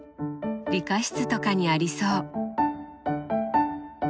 理科室とかにありそう。